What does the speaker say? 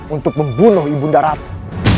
untuk membunuh ibunda ratu